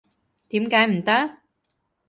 點解唔得？